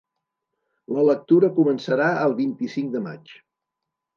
La lectura començarà el vint-i-cinc de maig.